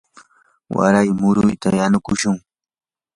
waray murayta yanukushun.